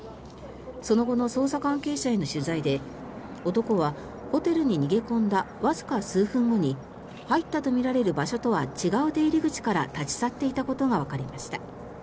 その後の捜査関係者への取材で男はホテルに逃げ込んだわずか数分後に入ったとみられる場所とは違う出入り口から立ち去っていたことがわかりました。